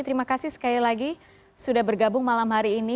terima kasih sekali lagi sudah bergabung malam hari ini